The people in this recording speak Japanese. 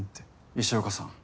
石岡さん